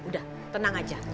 udah tenang aja